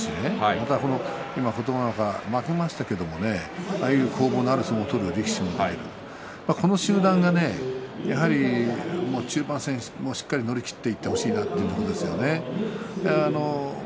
また、琴ノ若が負けましたけれどもああいう攻防のある相撲を取る力士がいてこの集団が中盤戦、しっかり乗り切っていってほしいなというところですね。